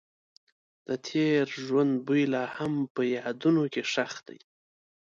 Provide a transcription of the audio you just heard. د تېر ژوند بوی لا هم په یادونو کې ښخ دی.